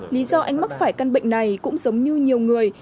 lý do anh mắc phải căn bệnh này cũng giống như nhiều người